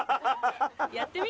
やってみ？